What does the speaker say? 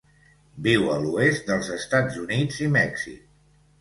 Viu a l'oest dels Estats Units i Mèxic.